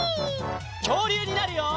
きょうりゅうになるよ！